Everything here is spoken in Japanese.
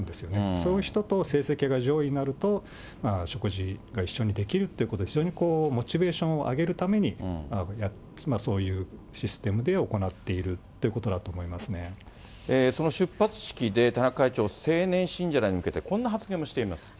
そういう人と成績が上位になると、食事が一緒にできるということで、非常にこう、モチベーションを上げるためにそういうシステムで行っているといその出発式で、田中会長、青年信者らに向けてこんな発言をしています。